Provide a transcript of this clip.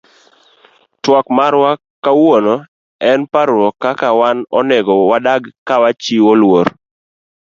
Twak marwa kawuono en parrouk kaka wan onego wadak kawachiwo luor.